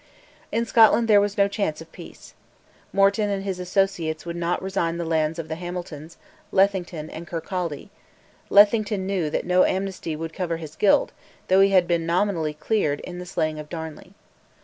In Scotland there was no chance of peace. Morton and his associates would not resign the lands of the Hamiltons, Lethington, and Kirkcaldy; Lethington knew that no amnesty would cover his guilt (though he had been nominally cleared) in the slaying of Darnley.